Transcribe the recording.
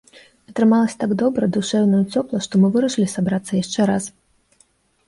Атрымалася так добра, душэўна і цёпла, што мы вырашылі сабрацца яшчэ раз.